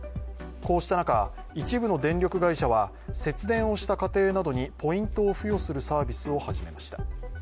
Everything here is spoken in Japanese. こうした中、一部の電力会社は節電をした家庭などにポイントを付与するサービスを始めました。